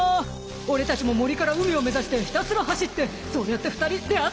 俺たちも森から海を目指してひたすら走ってそうやって２人出会ったのさ。